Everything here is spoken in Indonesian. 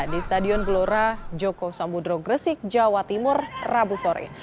di stadion blora joko sambudro gresik jawa timur rabu sore